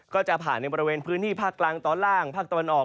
ก็จะผ่านในบริเวณพื้นที่ภาคกลางตอนล่างภาคตะวันออก